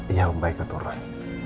iya om baik keturun